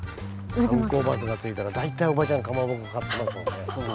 観光バスが着いたら大体おばちゃんかまぼこ買ってますもんね。